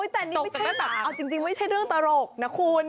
แต่นี่ไม่ใช่เรื่องตลกนะคุณ